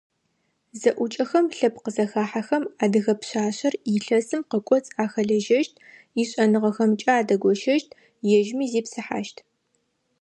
Зэӏукӏэхэм, лъэпкъ зэхахьэхэм адыгэ пшъашъэр илъэсым къыкӏоцӏ ахэлэжьэщт, ишӏэныгъэхэмкӏэ адэгощэщт, ежьми зипсыхьащт.